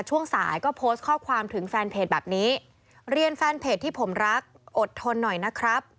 ช่วงสายก็โพสต์ข้อความถึงแฟนเพจแบบนี้เรียนแฟนเพจที่ผมรักอดทนหน่อยนะครับ